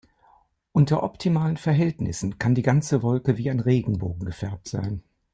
Unter optimalen Verhältnissen kann die ganze Wolke wie ein Regenbogen gefärbt sein.